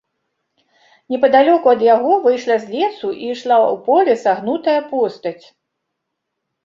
Непадалёку ад яго выйшла з лесу і ішла ў поле сагнутая постаць.